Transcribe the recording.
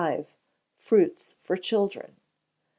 Fruits for Children.